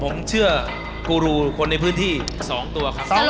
ผมเชื่อกูรูคนในพื้นที่๒ตัวครับ